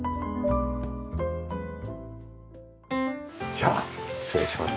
じゃあ失礼します。